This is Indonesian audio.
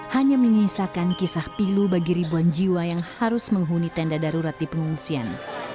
hanya menyisakan kisah pilu bagi ribuan jiwa yang harus menghuni tenda darurat di pengungsian